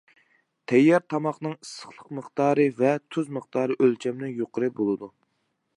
تەييار تاماقنىڭ ئىسسىقلىق مىقدارى ۋە تۇز مىقدارى ئۆلچەمدىن يۇقىرى بولىدۇ.